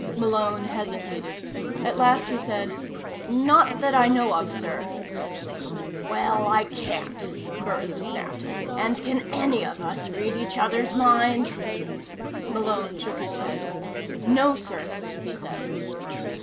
Malone hesitated. At last he said: "Not that I know of, sir." "Well, I can't," Burris snapped. "And can any of us read each other's mind?" Malone shook his head. "No, sir," he said.